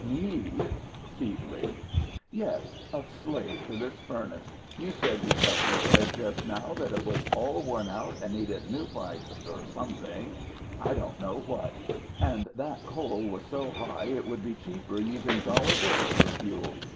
"Me?" feebly. "Yes. A slave to his furnace. You said yourself to Fred, just now, that it was all worn out, and needed new pipes or something I don't know what. And that coal was so high it would be cheaper using dollar bills for fuel.